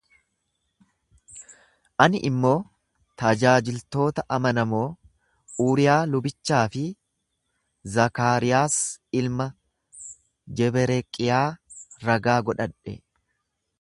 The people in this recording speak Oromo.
Ani immoo tajaajiltoota amanamoo Uriyaa lubichaa fi Zakaariyaas ilma Jebereqiyaa ragaa godhadhe.